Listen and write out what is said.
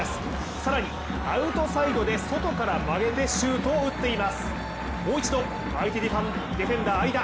更にアウトサイドで外から曲げてシュートを打っています。